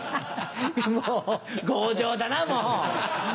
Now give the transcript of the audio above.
もう強情だなもう。